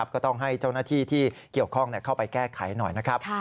ก็ต้องให้เจ้าหน้าที่ที่เกี่ยวข้องเข้าไปแก้ไขหน่อยนะครับ